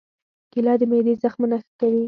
کېله د معدې زخمونه ښه کوي.